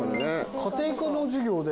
家庭科の授業で。